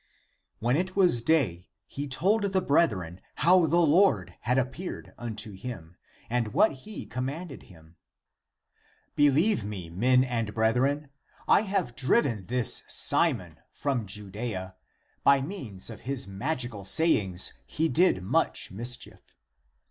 When it was day, he told the brethren how the Lord had appeared unto him and what he commanded him. " Believe me, men and brethren, I have driven this Simon from Judea; by means of his magical sayings he did much mischief.